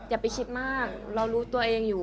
อย่าไปคิดมากเรารู้ตัวเองอยู่